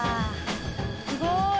すごい。